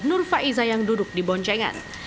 nur faiza yang duduk di boncengan